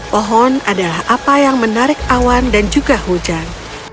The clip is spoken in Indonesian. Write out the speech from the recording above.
pohon adalah apa yang menarik awan dan juga hujan